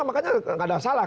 makanya nggak ada salah